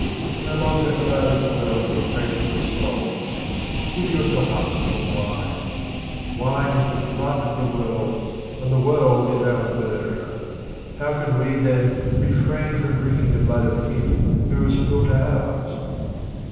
NO longer allow this world to oppress your souls. Give yourselves up to wine. Wine is the blood of the world, and the world is our murderer. How can we, then, refrain from drinking the blood of him who has spilt ours